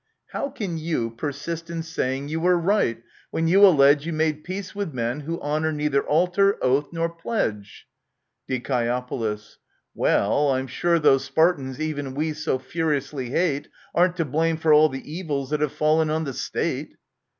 How can you persist in saying you were right, when you allege You made peace with men who honour neither altar, oath, nor pledge ? Die. Well, I'm sure those Spartans even we so furiously hate Aren't to blame for all the evils that have fallen on the State.